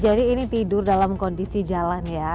jadi ini tidur dalam kondisi jalan ya